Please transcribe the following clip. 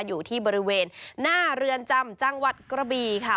อยู่ที่บริเวณหน้าเรือนจำจังหวัดกระบีค่ะ